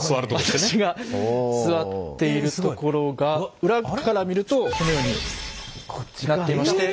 私が座っているところが裏から見るとこのようになってまして。